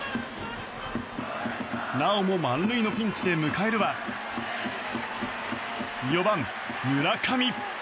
なおも満塁のピンチで迎えるは４番、村上。